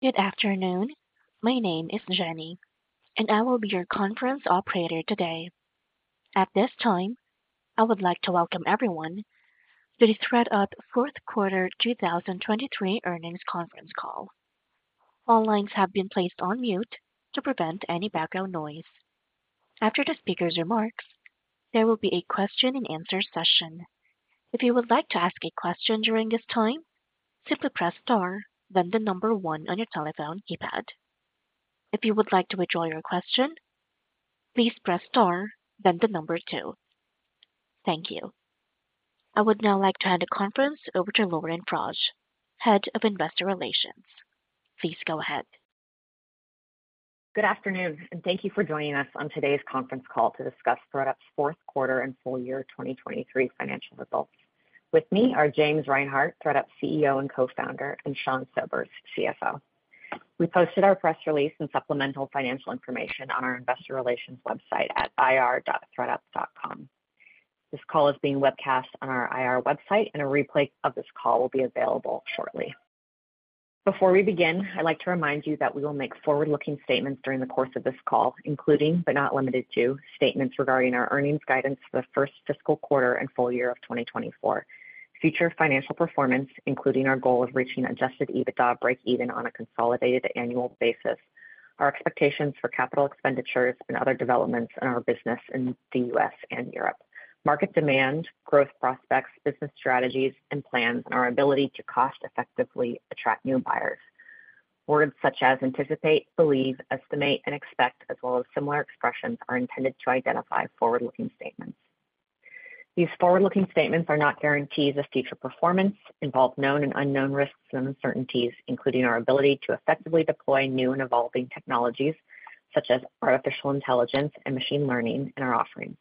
Good afternoon, my name is Jenny, and I will be your conference operator today. At this time, I would like to welcome everyone to the ThredUp 4th Quarter 2023 Earnings Conference call. All lines have been placed on mute to prevent any background noise. After the speaker's remarks, there will be a question-and-answer session. If you would like to ask a question during this time, simply press * then the number 1 on your telephone keypad. If you would like to withdraw your question, please press * then the number 2. Thank you. I would now like to hand the conference over to Lauren Frasch, Head of Investor Relations. Please go ahead. Good afternoon, and thank you for joining us on today's conference call to discuss ThredUp's 4th Quarter and Full Year 2023 financial results. With me are James Reinhart, ThredUp CEO and Co-Founder, and Sean Sobers, CFO. We posted our press release and supplemental financial information on our investor relations website at ir.thredup.com. This call is being webcast on our IR website, and a replay of this call will be available shortly. Before we begin, I'd like to remind you that we will make forward-looking statements during the course of this call, including but not limited to, statements regarding our earnings guidance for the 1st fiscal quarter and full year of 2024, future financial performance including our goal of reaching Adjusted EBITDA break-even on a consolidated annual basis, our expectations for capital expenditures and other developments in our business in the U.S. and Europe, market demand, growth prospects, business strategies and plans, and our ability to cost-effectively attract new buyers. Words such as anticipate, believe, estimate, and expect, as well as similar expressions, are intended to identify forward-looking statements. These forward-looking statements are not guarantees of future performance, involve known and unknown risks and uncertainties, including our ability to effectively deploy new and evolving technologies such as artificial intelligence and machine learning in our offerings,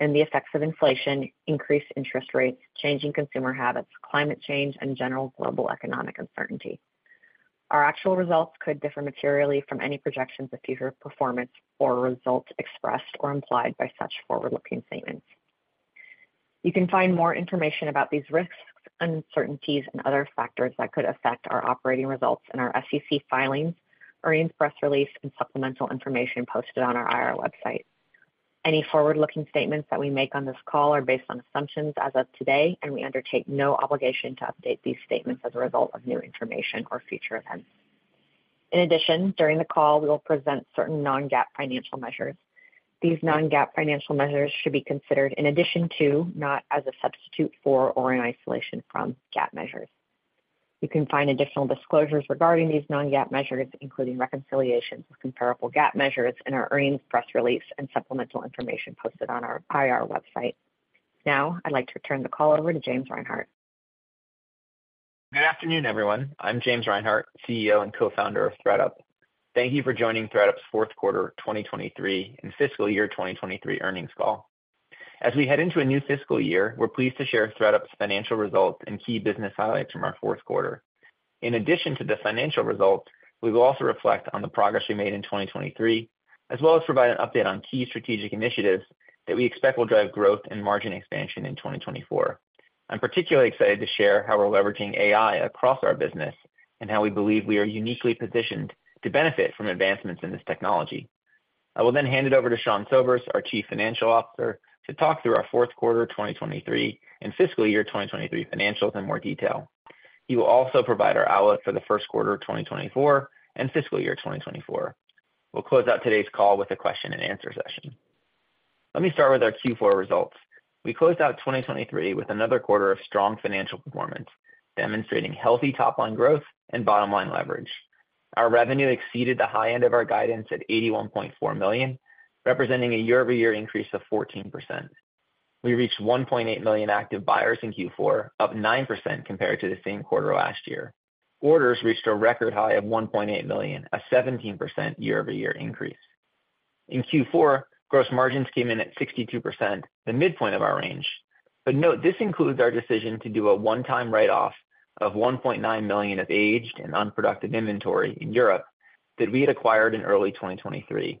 and the effects of inflation, increased interest rates, changing consumer habits, climate change, and general global economic uncertainty. Our actual results could differ materially from any projections of future performance or results expressed or implied by such forward-looking statements. You can find more information about these risks, uncertainties, and other factors that could affect our operating results in our SEC filings, earnings press release, and supplemental information posted on our IR website. Any forward-looking statements that we make on this call are based on assumptions as of today, and we undertake no obligation to update these statements as a result of new information or future events. In addition, during the call, we will present certain non-GAAP financial measures. These non-GAAP financial measures should be considered in addition to, not as a substitute for, or in isolation from, GAAP measures. You can find additional disclosures regarding these non-GAAP measures, including reconciliations with comparable GAAP measures, in our earnings press release and supplemental information posted on our IR website. Now, I'd like to turn the call over to James Reinhart. Good afternoon, everyone. I'm James Reinhart, CEO and Co-Founder of ThredUp. Thank you for joining ThredUp's 4th Quarter 2023 and Fiscal Year 2023 Earnings call. As we head into a new fiscal year, we're pleased to share ThredUp's financial results and key business highlights from our 4th quarter. In addition to the financial results, we will also reflect on the progress we made in 2023, as well as provide an update on key strategic initiatives that we expect will drive growth and margin expansion in 2024. I'm particularly excited to share how we're leveraging AI across our business and how we believe we are uniquely positioned to benefit from advancements in this technology. I will then hand it over to Sean Sobers, our Chief Financial Officer, to talk through our 4th Quarter 2023 and Fiscal Year 2023 financials in more detail. He will also provide our outlook for the first quarter 2024 and Fiscal Year 2024. We'll close out today's call with a question-and-answer session. Let me start with our Q4 results. We closed out 2023 with another quarter of strong financial performance, demonstrating healthy top-line growth and bottom-line leverage. Our revenue exceeded the high end of our guidance at $81.4 million, representing a year-over-year increase of 14%. We reached 1.8 million active buyers in Q4, up 9% compared to the same quarter last year. Orders reached a record high of 1.8 million, a 17% year-over-year increase. In Q4, gross margins came in at 62%, the midpoint of our range. But note, this includes our decision to do a one-time write-off of $1.9 million of aged and unproductive inventory in Europe that we had acquired in early 2023.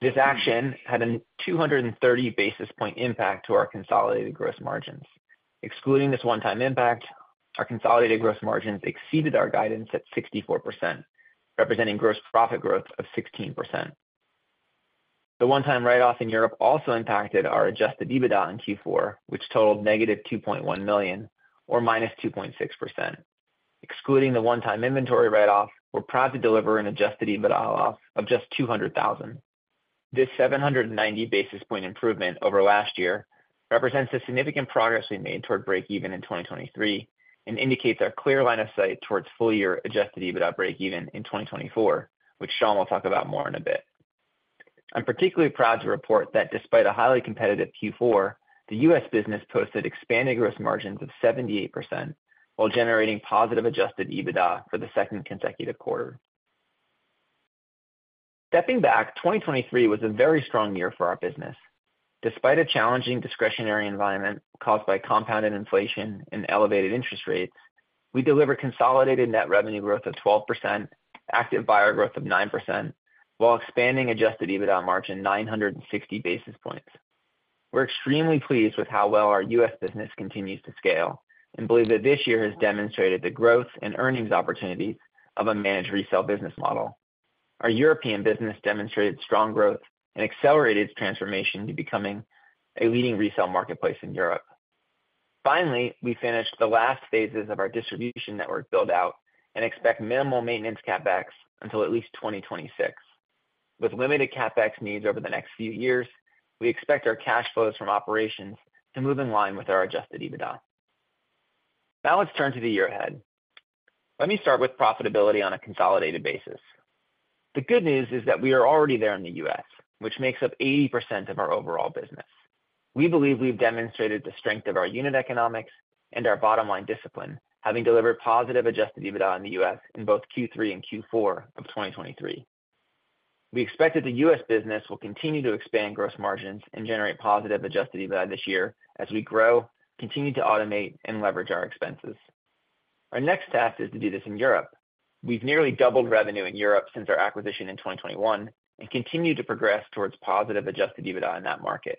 This action had a 230 basis points impact to our consolidated gross margins. Excluding this one-time impact, our consolidated gross margins exceeded our guidance at 64%, representing gross profit growth of 16%. The one-time write-off in Europe also impacted our Adjusted EBITDA in Q4, which totaled negative $2.1 million, or minus 2.6%. Excluding the one-time inventory write-off, we're proud to deliver an Adjusted EBITDA off of just $200,000. This 790 basis point improvement over last year represents the significant progress we made toward break-even in 2023 and indicates our clear line of sight towards full-year Adjusted EBITDA break-even in 2024, which Sean will talk about more in a bit. I'm particularly proud to report that despite a highly competitive Q4, the U.S. business posted expanded gross margins of 78% while generating positive Adjusted EBITDA for the second consecutive quarter. Stepping back, 2023 was a very strong year for our business. Despite a challenging discretionary environment caused by compounded inflation and elevated interest rates, we delivered consolidated net revenue growth of 12%, active buyer growth of 9%, while expanding Adjusted EBITDA margin 960 basis points. We're extremely pleased with how well our U.S. business continues to scale and believe that this year has demonstrated the growth and earnings opportunities of a managed resale business model. Our European business demonstrated strong growth and accelerated its transformation to becoming a leading resale marketplace in Europe. Finally, we finished the last phases of our distribution network buildout and expect minimal maintenance CapEx until at least 2026. With limited CapEx needs over the next few years, we expect our cash flows from operations to move in line with our Adjusted EBITDA. Now let's turn to the year ahead. Let me start with profitability on a consolidated basis. The good news is that we are already there in the U.S., which makes up 80% of our overall business. We believe we've demonstrated the strength of our unit economics and our bottom-line discipline, having delivered positive Adjusted EBITDA in the U.S. in both Q3 and Q4 of 2023. We expect that the U.S. business will continue to expand gross margins and generate positive Adjusted EBITDA this year as we grow, continue to automate, and leverage our expenses. Our next task is to do this in Europe. We've nearly doubled revenue in Europe since our acquisition in 2021 and continue to progress towards positive Adjusted EBITDA in that market.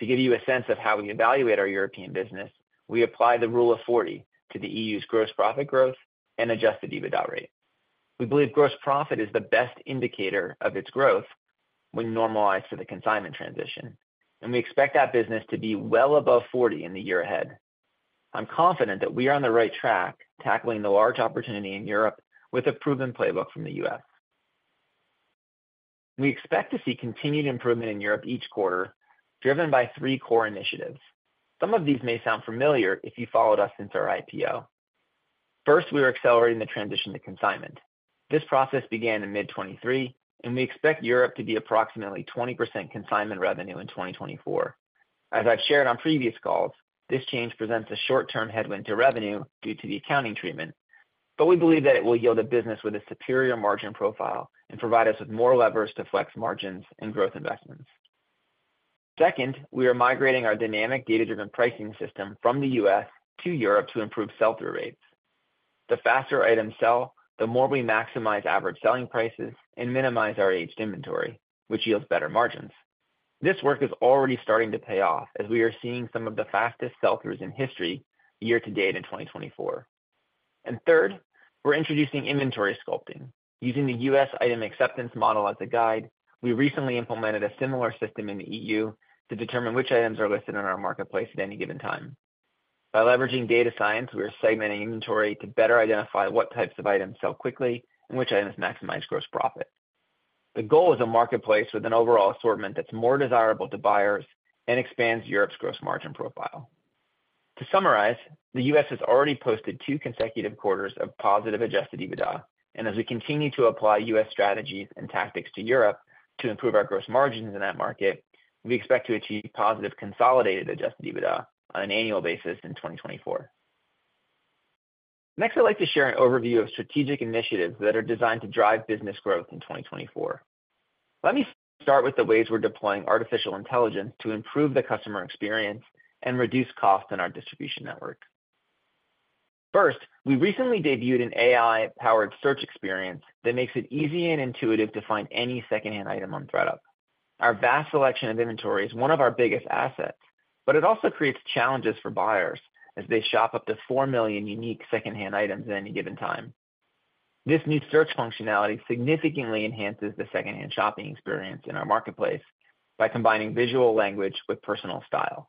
To give you a sense of how we evaluate our European business, we apply the Rule of 40 to the E.U.'s gross profit growth and Adjusted EBITDA rate. We believe gross profit is the best indicator of its growth when normalized to the consignment transition, and we expect that business to be well above 40 in the year ahead. I'm confident that we are on the right track tackling the large opportunity in Europe with a proven playbook from the U.S. We expect to see continued improvement in Europe each quarter, driven by three core initiatives. Some of these may sound familiar if you followed us since our IPO. First, we are accelerating the transition to consignment. This process began in mid-2023, and we expect Europe to be approximately 20% consignment revenue in 2024. As I've shared on previous calls, this change presents a short-term headwind to revenue due to the accounting treatment, but we believe that it will yield a business with a superior margin profile and provide us with more levers to flex margins and growth investments. Second, we are migrating our dynamic data-driven pricing system from the U.S. to Europe to improve sell-through rates. The faster items sell, the more we maximize average selling prices and minimize our aged inventory, which yields better margins. This work is already starting to pay off as we are seeing some of the fastest sell-throughs in history year to date in 2024. And third, we're introducing inventory sculpting. Using the U.S. item acceptance model as a guide, we recently implemented a similar system in the E.U. to determine which items are listed on our marketplace at any given time. By leveraging data science, we are segmenting inventory to better identify what types of items sell quickly and which items maximize gross profit. The goal is a marketplace with an overall assortment that's more desirable to buyers and expands Europe's gross margin profile. To summarize, the U.S. has already posted two consecutive quarters of positive Adjusted EBITDA, and as we continue to apply U.S. strategies and tactics to Europe to improve our gross margins in that market, we expect to achieve positive consolidated Adjusted EBITDA on an annual basis in 2024. Next, I'd like to share an overview of strategic initiatives that are designed to drive business growth in 2024. Let me start with the ways we're deploying artificial intelligence to improve the customer experience and reduce costs in our distribution network. First, we recently debuted an AI-powered search experience that makes it easy and intuitive to find any secondhand item on ThredUp. Our vast selection of inventory is one of our biggest assets, but it also creates challenges for buyers as they shop up to 4 million unique secondhand items at any given time. This new search functionality significantly enhances the secondhand shopping experience in our marketplace by combining visual language with personal style.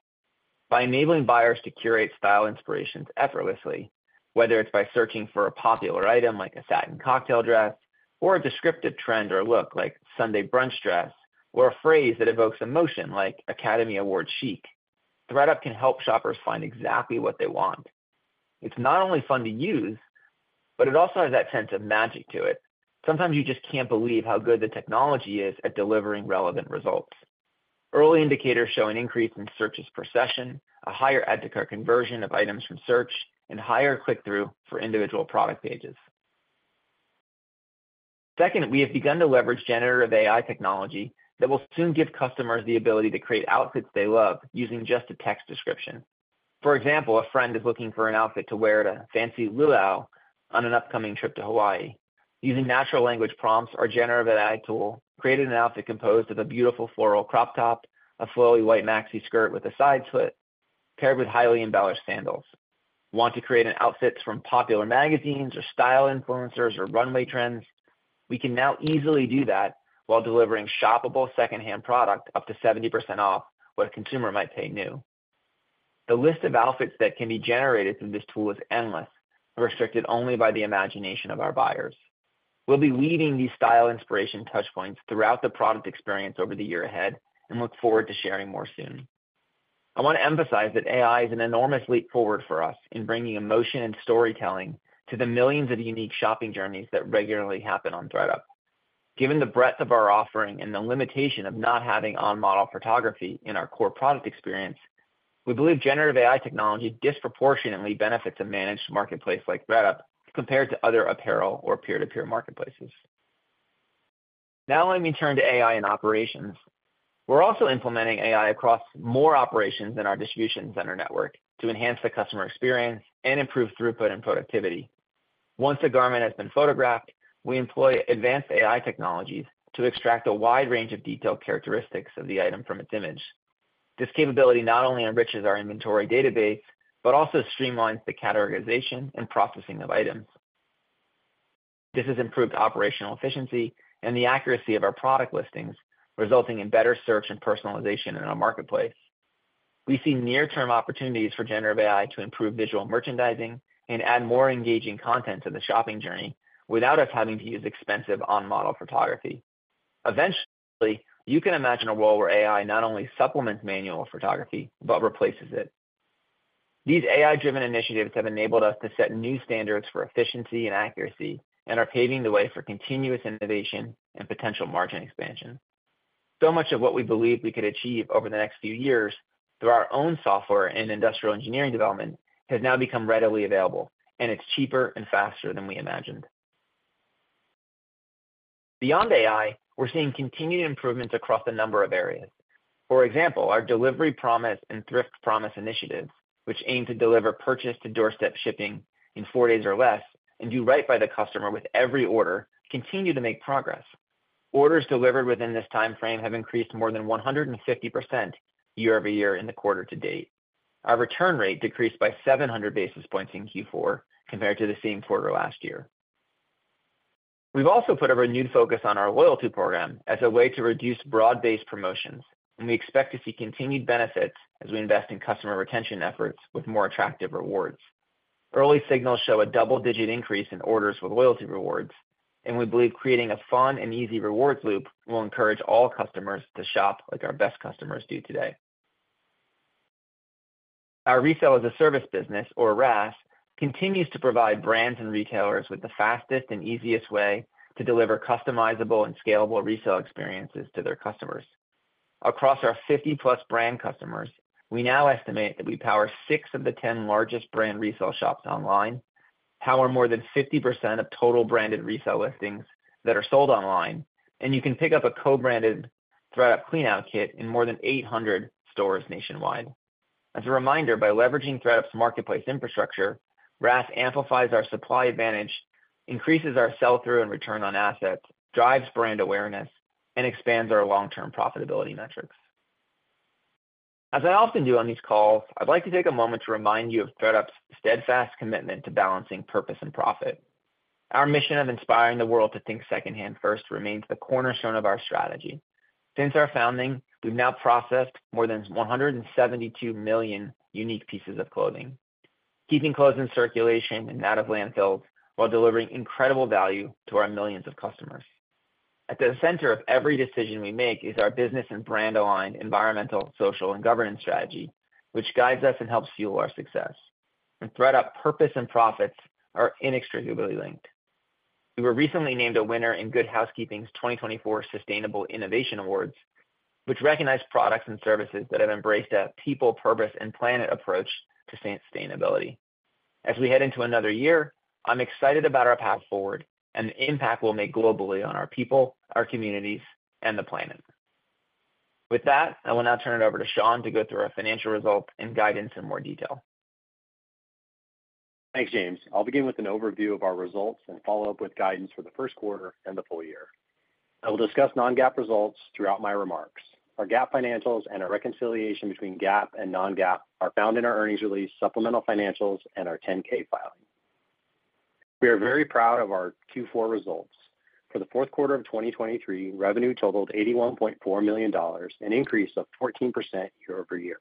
By enabling buyers to curate style inspirations effortlessly, whether it's by searching for a popular item like a satin cocktail dress, or a descriptive trend or look like Sunday brunch dress, or a phrase that evokes emotion like Academy Award chic, ThredUp can help shoppers find exactly what they want. It's not only fun to use, but it also has that sense of magic to it. Sometimes you just can't believe how good the technology is at delivering relevant results. Early indicators show an increase in searches per session, a higher add-to-cart conversion of items from search, and higher click-through for individual product pages. Second, we have begun to leverage generative AI technology that will soon give customers the ability to create outfits they love using just a text description. For example, a friend is looking for an outfit to wear at a fancy luau on an upcoming trip to Hawaii. Using natural language prompts, our generative AI tool created an outfit composed of a beautiful floral crop top, a flowy white maxi skirt with a side slit, paired with highly embellished sandals. Want to create outfits from popular magazines or style influencers or runway trends? We can now easily do that while delivering shoppable secondhand product up to 70% off what a consumer might pay new. The list of outfits that can be generated through this tool is endless and restricted only by the imagination of our buyers. We'll be weaving these style inspiration touchpoints throughout the product experience over the year ahead and look forward to sharing more soon. I want to emphasize that AI is an enormous leap forward for us in bringing emotion and storytelling to the millions of unique shopping journeys that regularly happen on ThredUp. Given the breadth of our offering and the limitation of not having on-model photography in our core product experience, we believe generative AI technology disproportionately benefits a managed marketplace like ThredUp compared to other apparel or peer-to-peer marketplaces. Now let me turn to AI in operations. We're also implementing AI across more operations in our distribution center network to enhance the customer experience and improve throughput and productivity. Once a garment has been photographed, we employ advanced AI technologies to extract a wide range of detailed characteristics of the item from its image. This capability not only enriches our inventory database but also streamlines the categorization and processing of items. This has improved operational efficiency and the accuracy of our product listings, resulting in better search and personalization in our marketplace. We see near-term opportunities for generative AI to improve visual merchandising and add more engaging content to the shopping journey without us having to use expensive on-model photography. Eventually, you can imagine a role where AI not only supplements manual photography but replaces it. These AI-driven initiatives have enabled us to set new standards for efficiency and accuracy and are paving the way for continuous innovation and potential margin expansion. So much of what we believed we could achieve over the next few years through our own software and industrial engineering development has now become readily available, and it's cheaper and faster than we imagined. Beyond AI, we're seeing continued improvements across a number of areas. For example, our Delivery Promise and Thrift Promise initiatives, which aim to deliver purchase-to-doorstep shipping in four days or less and do right by the customer with every order, continue to make progress. Orders delivered within this time frame have increased more than 150% year-over-year in the quarter to date. Our return rate decreased by 700 basis points in Q4 compared to the same quarter last year. We've also put a renewed focus on our loyalty program as a way to reduce broad-based promotions, and we expect to see continued benefits as we invest in customer retention efforts with more attractive rewards. Early signals show a double-digit increase in orders with loyalty rewards, and we believe creating a fun and easy rewards loop will encourage all customers to shop like our best customers do today. Our Resale-as-a-Service business, or RaaS, continues to provide brands and retailers with the fastest and easiest way to deliver customizable and scalable resale experiences to their customers. Across our 50+ brand customers, we now estimate that we power 6 of the 10 largest brand resale shops online, power more than 50% of total branded resale listings that are sold online, and you can pick up a co-branded ThredUp Clean Out Kit in more than 800 stores nationwide. As a reminder, by leveraging ThredUp's marketplace infrastructure, RaaS amplifies our supply advantage, increases our sell-through and return on assets, drives brand awareness, and expands our long-term profitability metrics. As I often do on these calls, I'd like to take a moment to remind you of ThredUp's steadfast commitment to balancing purpose and profit. Our mission of inspiring the world to think secondhand first remains the cornerstone of our strategy. Since our founding, we've now processed more than 172 million unique pieces of clothing, keeping clothes in circulation and out of landfills while delivering incredible value to our millions of customers. At the center of every decision we make is our business and brand-aligned environmental, social, and governance strategy, which guides us and helps fuel our success. And ThredUp's purpose and profits are inextricably linked. We were recently named a winner in Good Housekeeping's 2024 Sustainable Innovation Awards, which recognized products and services that have embraced a people, purpose, and planet approach to sustainability. As we head into another year, I'm excited about our path forward and the impact we'll make globally on our people, our communities, and the planet. With that, I will now turn it over to Sean to go through our financial results and guidance in more detail. Thanks, James. I'll begin with an overview of our results and follow up with guidance for the first quarter and the full year. I will discuss non-GAAP results throughout my remarks. Our GAAP financials and our reconciliation between GAAP and non-GAAP are found in our earnings release, supplemental financials, and our 10-K filing. We are very proud of our Q4 results. For the fourth quarter of 2023, revenue totaled $81.4 million, an increase of 14% year-over-year.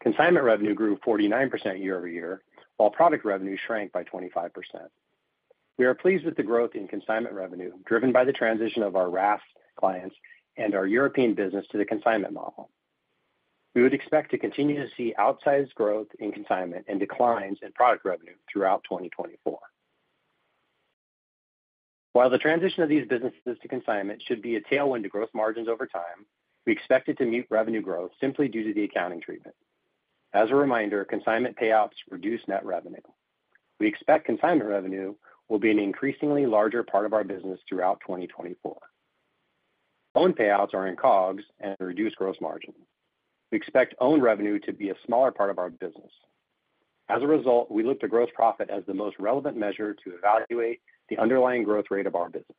Consignment revenue grew 49% year-over-year, while product revenue shrank by 25%. We are pleased with the growth in consignment revenue driven by the transition of our RaaS clients and our European business to the consignment model. We would expect to continue to see outsized growth in consignment and declines in product revenue throughout 2024. While the transition of these businesses to consignment should be a tailwind to gross margins over time, we expect it to mute revenue growth simply due to the accounting treatment. As a reminder, consignment payouts reduce net revenue. We expect consignment revenue will be an increasingly larger part of our business throughout 2024. Own payouts are in COGS and reduce gross margin. We expect own revenue to be a smaller part of our business. As a result, we look to gross profit as the most relevant measure to evaluate the underlying growth rate of our business.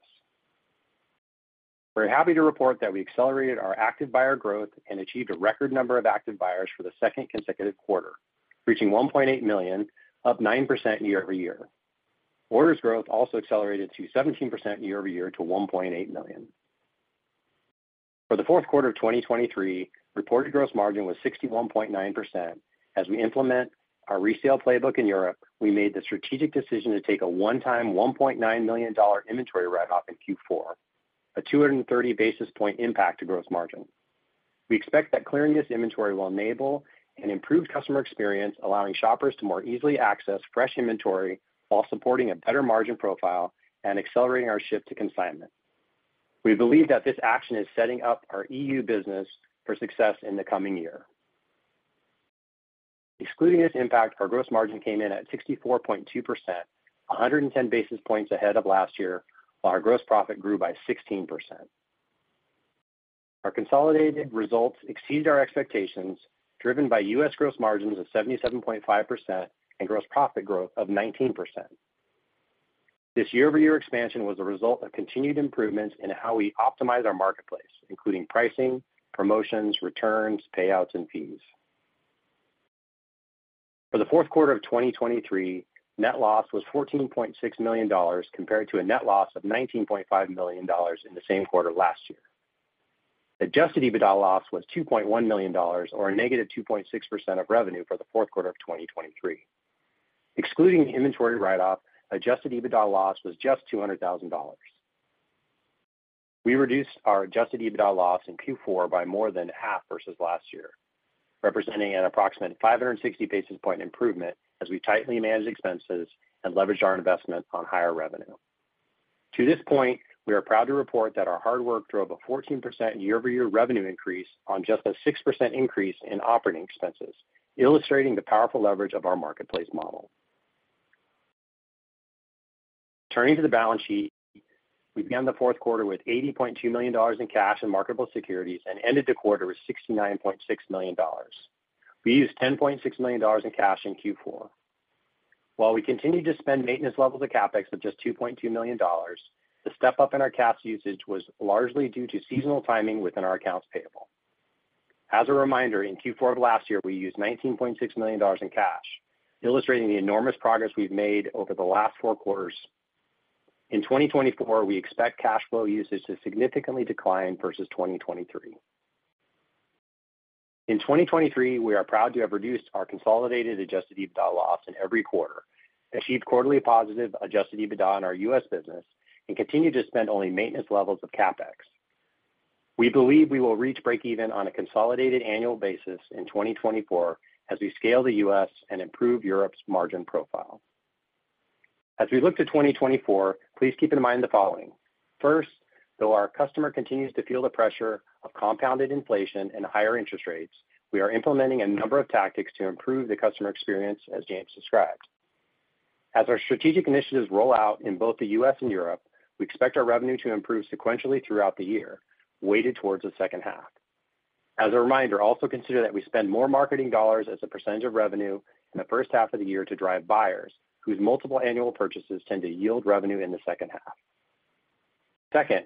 We're happy to report that we accelerated our active buyer growth and achieved a record number of active buyers for the second consecutive quarter, reaching 1.8 million, up 9% year-over-year. Orders growth also accelerated to 17% year-over-year to 1.8 million. For the fourth quarter of 2023, reported gross margin was 61.9%. As we implement our resale playbook in Europe, we made the strategic decision to take a one-time $1.9 million inventory write-off in Q4, a 230 basis point impact to gross margin. We expect that clearing this inventory will enable an improved customer experience, allowing shoppers to more easily access fresh inventory while supporting a better margin profile and accelerating our shift to consignment. We believe that this action is setting up our EU business for success in the coming year. Excluding this impact, our gross margin came in at 64.2%, 110 basis points ahead of last year, while our gross profit grew by 16%. Our consolidated results exceeded our expectations, driven by U.S. gross margins of 77.5% and gross profit growth of 19%. This year-over-year expansion was a result of continued improvements in how we optimize our marketplace, including pricing, promotions, returns, payouts, and fees. For the fourth quarter of 2023, net loss was $14.6 million compared to a net loss of $19.5 million in the same quarter last year. Adjusted EBITDA loss was $2.1 million, or a -2.6% of revenue for the fourth quarter of 2023. Excluding the inventory write-off, adjusted EBITDA loss was just $200,000. We reduced our adjusted EBITDA loss in Q4 by more than half versus last year, representing an approximate 560 basis point improvement as we tightly managed expenses and leveraged our investment on higher revenue. To this point, we are proud to report that our hard work drove a 14% year-over-year revenue increase on just a 6% increase in operating expenses, illustrating the powerful leverage of our marketplace model. Turning to the balance sheet, we began the fourth quarter with $80.2 million in cash and marketable securities and ended the quarter with $69.6 million. We used $10.6 million in cash in Q4. While we continued to spend maintenance levels of CapEx of just $2.2 million, the step-up in our cash usage was largely due to seasonal timing within our accounts payable. As a reminder, in Q4 of last year, we used $19.6 million in cash, illustrating the enormous progress we've made over the last four quarters. In 2024, we expect cash flow usage to significantly decline versus 2023. In 2023, we are proud to have reduced our consolidated adjusted EBITDA loss in every quarter, achieved quarterly positive adjusted EBITDA in our U.S. business, and continued to spend only maintenance levels of CapEx. We believe we will reach breakeven on a consolidated annual basis in 2024 as we scale the U.S. and improve Europe's margin profile. As we look to 2024, please keep in mind the following. First, though our customer continues to feel the pressure of compounded inflation and higher interest rates, we are implementing a number of tactics to improve the customer experience, as James described. As our strategic initiatives roll out in both the U.S. and Europe, we expect our revenue to improve sequentially throughout the year, weighted towards the second half. As a reminder, also consider that we spend more marketing dollars as a percentage of revenue in the first half of the year to drive buyers, whose multiple annual purchases tend to yield revenue in the second half. Second,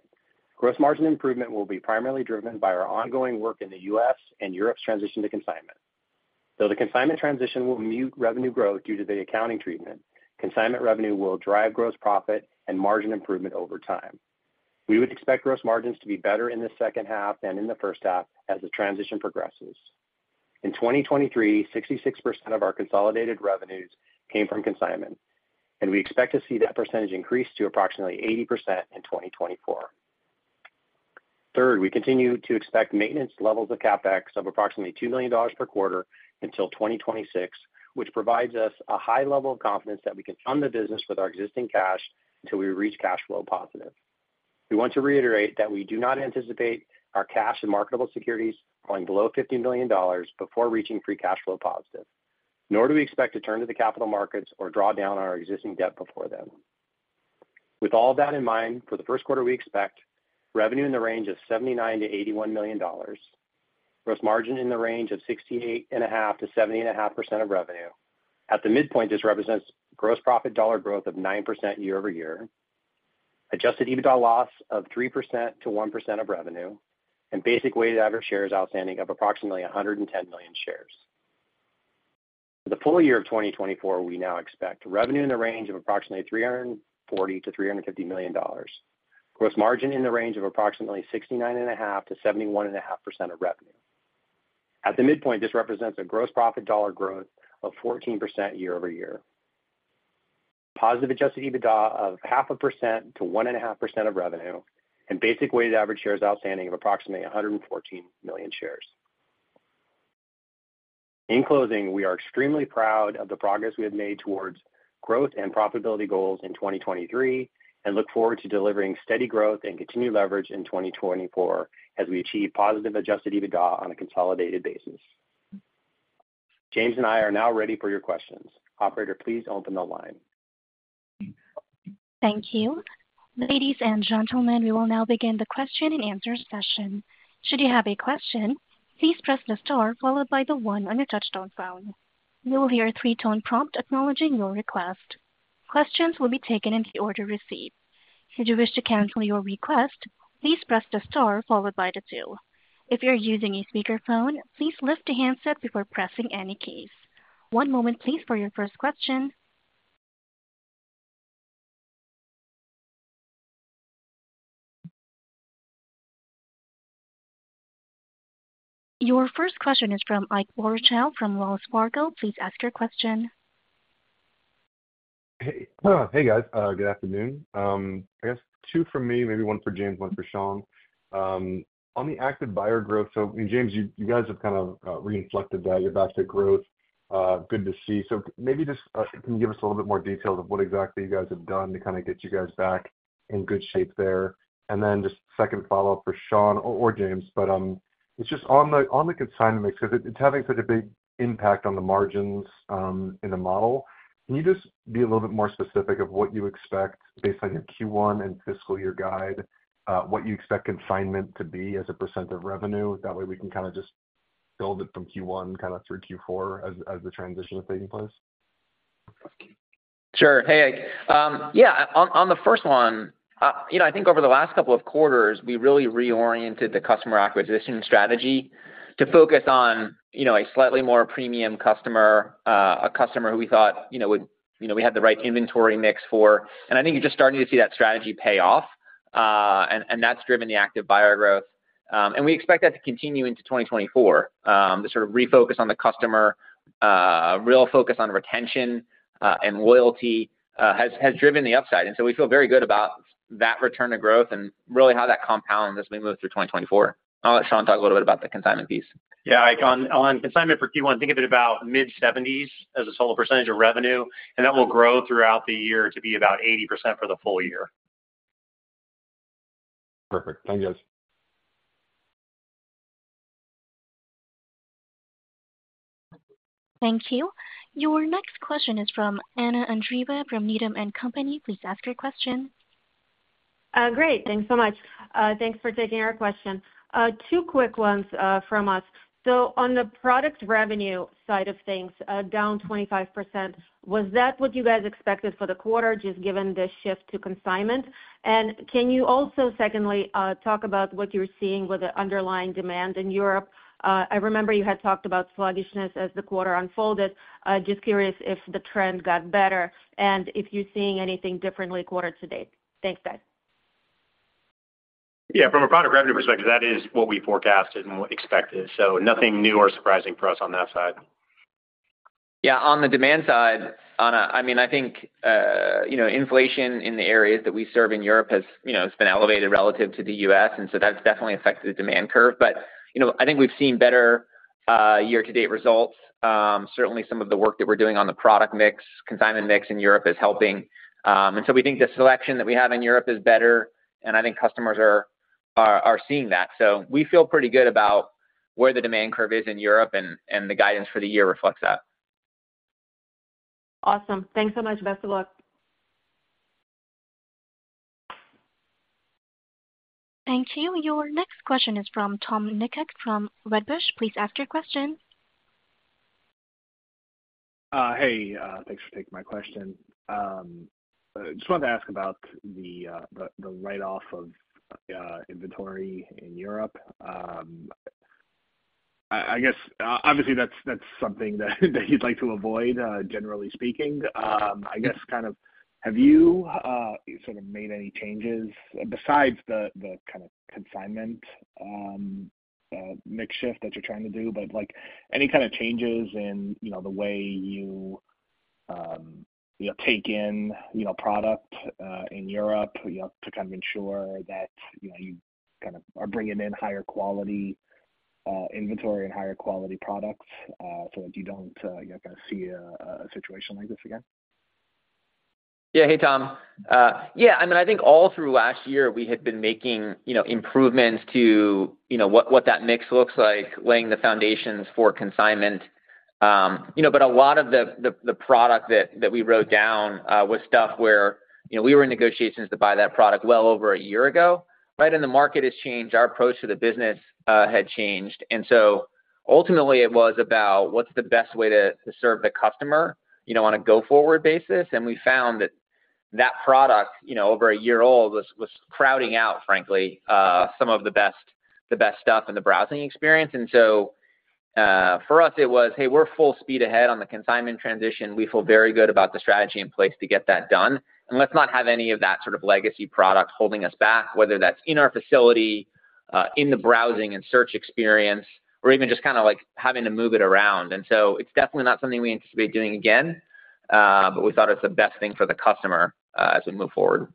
gross margin improvement will be primarily driven by our ongoing work in the U.S. and Europe's transition to consignment. Though the consignment transition will mute revenue growth due to the accounting treatment, consignment revenue will drive gross profit and margin improvement over time. We would expect gross margins to be better in the second half than in the first half as the transition progresses. In 2023, 66% of our consolidated revenues came from consignment, and we expect to see that percentage increase to approximately 80% in 2024. Third, we continue to expect maintenance levels of CapEx of approximately $2 million per quarter until 2026, which provides us a high level of confidence that we can fund the business with our existing cash until we reach cash flow positive. We want to reiterate that we do not anticipate our cash and marketable securities falling below $50 million before reaching free cash flow positive, nor do we expect to turn to the capital markets or draw down our existing debt before then. With all of that in mind, for the first quarter, we expect revenue in the range of $79-$81 million, gross margin in the range of 68.5%-70.5% of revenue. At the midpoint, this represents gross profit dollar growth of 9% year-over-year, Adjusted EBITDA loss of 3% to 1% of revenue, and basic weighted average shares outstanding of approximately 110 million shares. For the full year of 2024, we now expect revenue in the range of approximately $340-$350 million, gross margin in the range of approximately 69.5%-71.5% of revenue. At the midpoint, this represents a gross profit dollar growth of 14% year-over-year, positive adjusted EBITDA of 0.5%-1.5% of revenue, and basic weighted average shares outstanding of approximately 114 million shares. In closing, we are extremely proud of the progress we have made towards growth and profitability goals in 2023 and look forward to delivering steady growth and continued leverage in 2024 as we achieve positive adjusted EBITDA on a consolidated basis. James and I are now ready for your questions. Operator, please open the line. Thank you. Ladies and gentlemen, we will now begin the question and answer session. Should you have a question, please press the star followed by the 1 on your touch-tone phone. You will hear a 3-tone prompt acknowledging your request. Questions will be taken in the order received. Should you wish to cancel your request, please press the star followed by the 2. If you're using a speakerphone, please lift the handset before pressing any keys. One moment, please, for your first question. Your first question is from Ike Boruchow of Wells Fargo. Please ask your question. Hey, guys. Good afternoon. I guess two for me, maybe one for James, one for Sean. On the active buyer growth, so James, you guys have kind of reinflected that. You're back to growth. Good to see. So maybe just can you give us a little bit more details of what exactly you guys have done to kind of get you guys back in good shape there? And then just second follow-up for Sean or James, but it's just on the consignment mix because it's having such a big impact on the margins in the model. Can you just be a little bit more specific of what you expect based on your Q1 and fiscal year guide, what you expect consignment to be as a % of revenue? That way, we can kind of just build it from Q1 kind of through Q4 as the transition is taking place. Sure. Hey, Ike. Yeah, on the first one, I think over the last couple of quarters, we really reoriented the customer acquisition strategy to focus on a slightly more premium customer, a customer who we thought we had the right inventory mix for. And I think you're just starting to see that strategy pay off, and that's driven the active buyer growth. And we expect that to continue into 2024. The sort of refocus on the customer, real focus on retention and loyalty has driven the upside. And so we feel very good about that return to growth and really how that compounds as we move through 2024. I'll let Sean talk a little bit about the consignment piece. Yeah, Ike. On consignment for Q1, think of it about mid-70s% as a total percentage of revenue, and that will grow throughout the year to be about 80% for the full year. Perfect. Thanks, guys. Thank you. Your next question is from Anna Andreeva from Needham & Company. Please ask your question. Great. Thanks so much. Thanks for taking our question. Two quick ones from us. So on the product revenue side of things, down 25%. Was that what you guys expected for the quarter, just given the shift to consignment? And can you also, secondly, talk about what you're seeing with the underlying demand in Europe? I remember you had talked about sluggishness as the quarter unfolded. Just curious if the trend got better and if you're seeing anything differently quarter to date. Thanks, guys. Yeah, from a Product Revenue perspective, that is what we forecasted and what we expected. So nothing new or surprising for us on that side. Yeah, on the demand side, Anna, I mean, I think inflation in the areas that we serve in Europe has been elevated relative to the U.S., and so that's definitely affected the demand curve. But I think we've seen better year-to-date results. Certainly, some of the work that we're doing on the product mix, consignment mix in Europe is helping. And so we think the selection that we have in Europe is better, and I think customers are seeing that. So we feel pretty good about where the demand curve is in Europe, and the guidance for the year reflects that. Awesome. Thanks so much. Best of luck. Thank you. Your next question is from Tom Nikic from Wedbush. Please ask your question. Hey, thanks for taking my question. Just wanted to ask about the write-off of inventory in Europe. I guess, obviously, that's something that you'd like to avoid, generally speaking. I guess kind of have you sort of made any changes besides the kind of consignment mix shift that you're trying to do, but any kind of changes in the way you take in product in Europe to kind of ensure that you kind of are bringing in higher quality inventory and higher quality products so that you don't kind of see a situation like this again? Yeah, hey, Tom. Yeah, I mean, I think all through last year, we had been making improvements to what that mix looks like, laying the foundations for consignment. But a lot of the product that we wrote down was stuff where we were in negotiations to buy that product well over a year ago, right? And the market has changed. Our approach to the business had changed. And so ultimately, it was about what's the best way to serve the customer on a go-forward basis. And we found that that product, over a year old, was crowding out, frankly, some of the best stuff in the browsing experience. And so for us, it was, "Hey, we're full speed ahead on the consignment transition. We feel very good about the strategy in place to get that done. And let's not have any of that sort of legacy product holding us back, whether that's in our facility, in the browsing and search experience, or even just kind of having to move it around." And so it's definitely not something we anticipate doing again, but we thought it's the best thing for the customer as we move forward.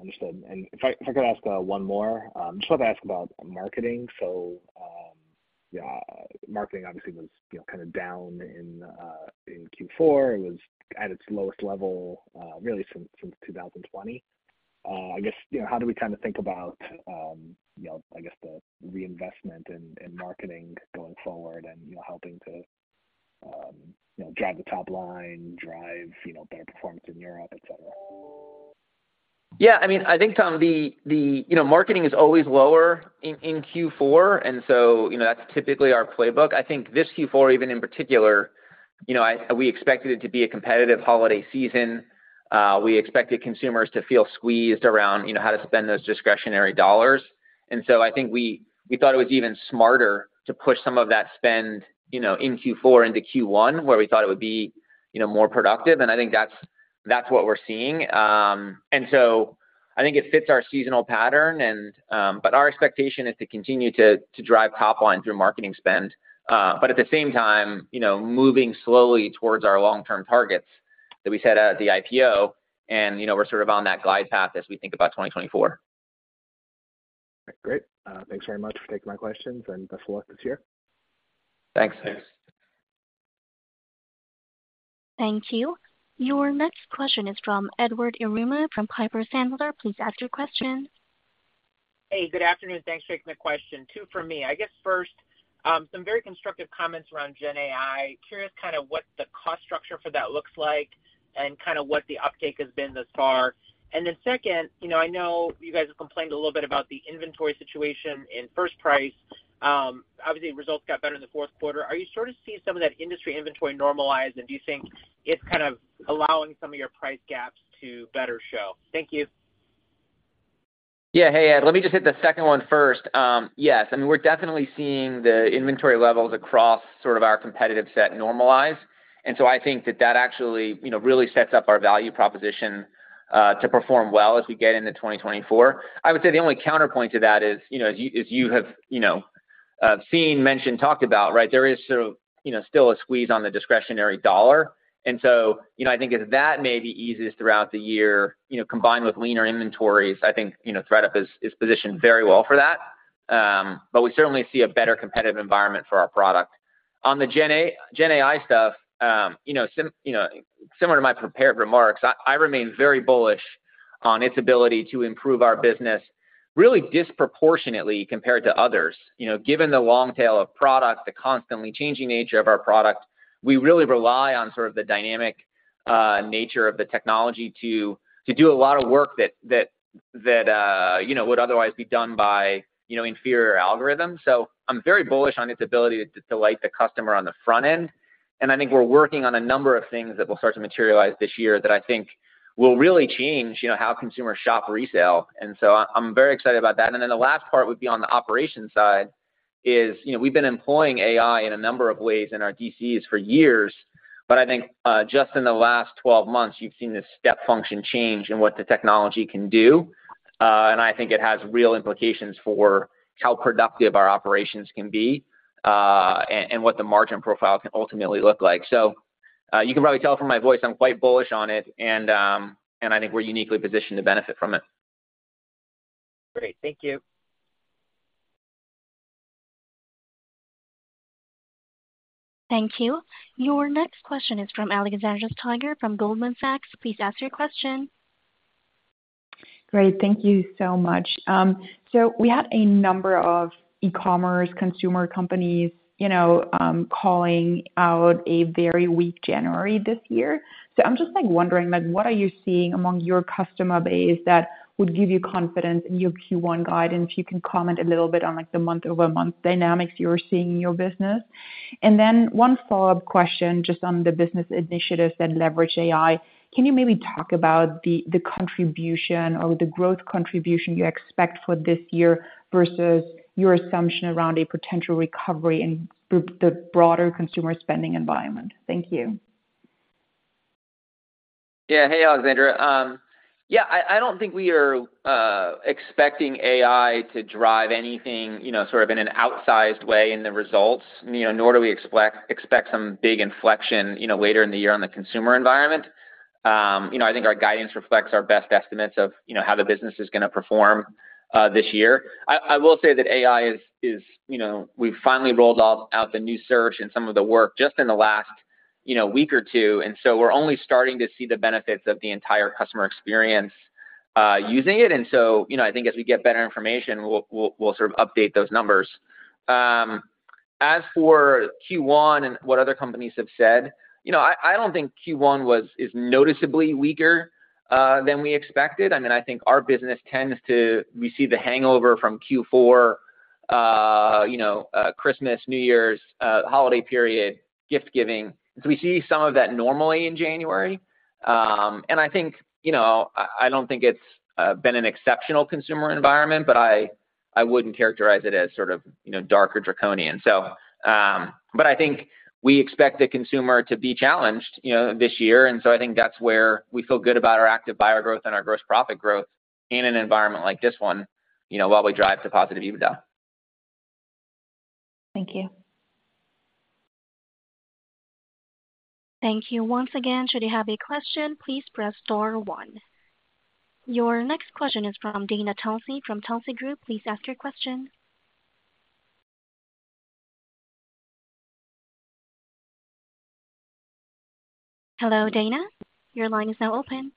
Understood. And if I could ask one more, I just wanted to ask about marketing. So yeah, marketing obviously was kind of down in Q4. It was at its lowest level, really, since 2020. I guess how do we kind of think about, I guess, the reinvestment in marketing going forward and helping to drive the top line, drive better performance in Europe, etc.? Yeah, I mean, I think, Tom, the marketing is always lower in Q4, and so that's typically our playbook. I think this Q4, even in particular, we expected it to be a competitive holiday season. We expected consumers to feel squeezed around how to spend those discretionary dollars. And so I think we thought it was even smarter to push some of that spend in Q4 into Q1, where we thought it would be more productive. And I think that's what we're seeing. And so I think it fits our seasonal pattern, but our expectation is to continue to drive top line through marketing spend, but at the same time, moving slowly towards our long-term targets that we set at the IPO. And we're sort of on that glide path as we think about 2024. Great. Thanks very much for taking my questions, and best of luck this year. Thanks. Okay Thank you. Your next question is from Edward Yruma from Piper Sandler. Please ask your question. Hey, good afternoon. Thanks for taking the question. Two from me. I guess first, some very constructive comments around Gen AI. Curious kind of what the cost structure for that looks like and kind of what the uptake has been thus far. And then second, I know you guys have complained a little bit about the inventory situation in Full Price. Obviously, results got better in the fourth quarter. Are you sort of seeing some of that industry inventory normalized, and do you think it's kind of allowing some of your price gaps to better show? Thank you. Yeah, hey, Ed. Let me just hit the second one first. Yes, I mean, we're definitely seeing the inventory levels across sort of our competitive set normalize. And so I think that that actually really sets up our value proposition to perform well as we get into 2024. I would say the only counterpoint to that is, as you have seen, mentioned, talked about, right, there is sort of still a squeeze on the discretionary dollar. And so I think as that maybe eases throughout the year, combined with leaner inventories, I think ThredUp is positioned very well for that. But we certainly see a better competitive environment for our product. On the Gen AI stuff, similar to my prepared remarks, I remain very bullish on its ability to improve our business really disproportionately compared to others. Given the long tail of product, the constantly changing nature of our product, we really rely on sort of the dynamic nature of the technology to do a lot of work that would otherwise be done by inferior algorithms. So I'm very bullish on its ability to delight the customer on the front end. And I think we're working on a number of things that will start to materialize this year that I think will really change how consumers shop resale. And so I'm very excited about that. And then the last part would be on the operations side is we've been employing AI in a number of ways in our DCs for years. But I think just in the last 12 months, you've seen this step function change in what the technology can do. And I think it has real implications for how productive our operations can be and what the margin profile can ultimately look like. So you can probably tell from my voice, I'm quite bullish on it, and I think we're uniquely positioned to benefit from it. Great. Thank you. Thank you. Your next question is from Alexandra Steiger from Goldman Sachs. Please ask your question. Great. Thank you so much. So we had a number of e-commerce consumer companies calling out a very weak January this year. So I'm just wondering, what are you seeing among your customer base that would give you confidence in your Q1 guidance? If you can comment a little bit on the month-over-month dynamics you're seeing in your business. And then one follow-up question just on the business initiatives that leverage AI. Can you maybe talk about the contribution or the growth contribution you expect for this year versus your assumption around a potential recovery in the broader consumer spending environment? Thank you. Yeah, hey, Alexandra. Yeah, I don't think we are expecting AI to drive anything sort of in an outsized way in the results, nor do we expect some big inflection later in the year on the consumer environment. I think our guidance reflects our best estimates of how the business is going to perform this year. I will say that AI is, we've finally rolled out the new search and some of the work just in the last week or two. And so we're only starting to see the benefits of the entire customer experience using it. And so I think as we get better information, we'll sort of update those numbers. As for Q1 and what other companies have said, I don't think Q1 was noticeably weaker than we expected. I mean, I think our business tends to, we see the hangover from Q4, Christmas, New Year's, holiday period, gift giving. So we see some of that normally in January. And I think I don't think it's been an exceptional consumer environment, but I wouldn't characterize it as sort of dark or draconian, so. But I think we expect the consumer to be challenged this year. And so I think that's where we feel good about our active buyer growth and our gross profit growth in an environment like this one while we drive to positive EBITDA. Thank you. Thank you. Once again, should you have a question, please press star one. Your next question is from Dana Telsey from Telsey Group. Please ask your question. Hello, Dana. Your line is now open.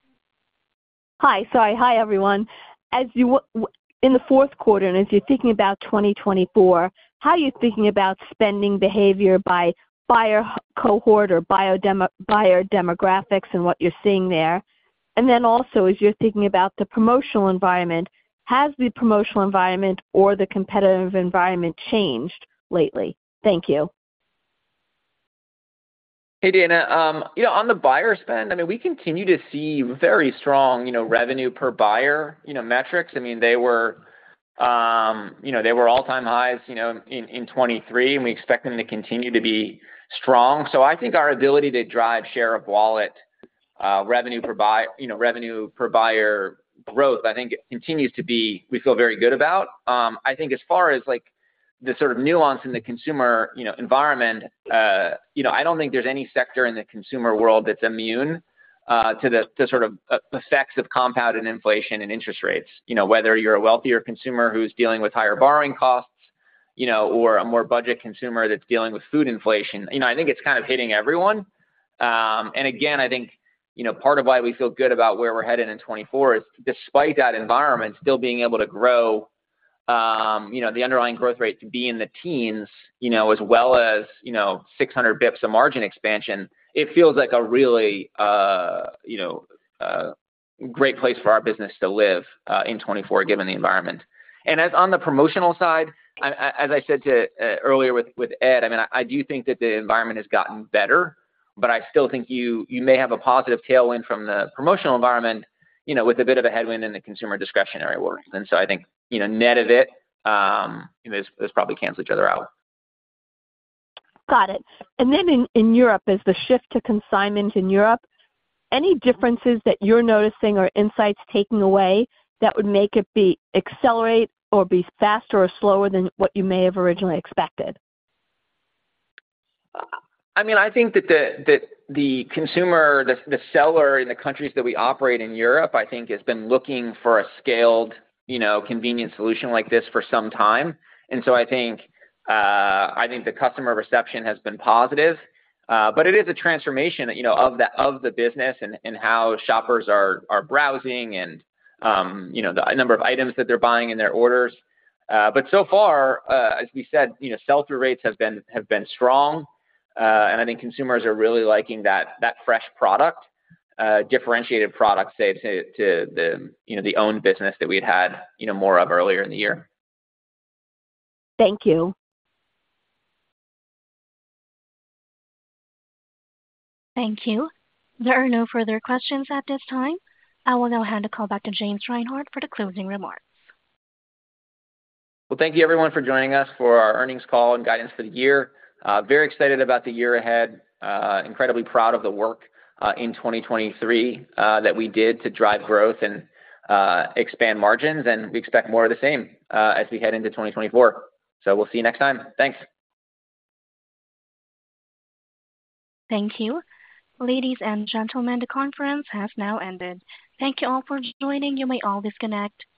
Hi. Sorry. Hi, everyone. In the fourth quarter, and as you're thinking about 2024, how are you thinking about spending behavior by buyer cohort or buyer demographics and what you're seeing there? And then also, as you're thinking about the promotional environment, has the promotional environment or the competitive environment changed lately? Thank you. Hey, Dana. On the buyer spend, I mean, we continue to see very strong revenue per buyer metrics. I mean, they were all-time highs in 2023, and we expect them to continue to be strong. So I think our ability to drive share of wallet revenue per buyer growth, I think it continues to be we feel very good about. I think as far as the sort of nuance in the consumer environment, I don't think there's any sector in the consumer world that's immune to the sort of effects of compounded inflation and interest rates, whether you're a wealthier consumer who's dealing with higher borrowing costs or a more budget consumer that's dealing with food inflation. I think it's kind of hitting everyone. And again, I think part of why we feel good about where we're headed in 2024 is despite that environment, still being able to grow the underlying growth rate to be in the teens as well as 600 basis points of margin expansion, it feels like a really great place for our business to live in 2024 given the environment. And as on the promotional side, as I said earlier with Ed, I mean, I do think that the environment has gotten better, but I still think you may have a positive tailwind from the promotional environment with a bit of a headwind in the consumer discretionary world. And so I think net of it, those probably cancel each other out. Got it. And then in Europe, as the shift to consignment in Europe, any differences that you're noticing or insights taking away that would make it accelerate or be faster or slower than what you may have originally expected? I mean, I think that the consumer, the seller in the countries that we operate in Europe, I think has been looking for a scaled, convenient solution like this for some time. So I think the customer reception has been positive. But it is a transformation of the business and how shoppers are browsing and the number of items that they're buying in their orders. So far, as we said, sell-through rates have been strong. And I think consumers are really liking that fresh product, differentiated product, say, to the owned business that we'd had more of earlier in the year. Thank you. Thank you. There are no further questions at this time. I will now hand the call back to James Reinhart for the closing remarks. Well, thank you, everyone, for joining us for our earnings call and guidance for the year. Very excited about the year ahead. Incredibly proud of the work in 2023 that we did to drive growth and expand margins. We expect more of the same as we head into 2024. We'll see you next time. Thanks. Thank you. Ladies and gentlemen, the conference has now ended. Thank you all for joining. You may all disconnect.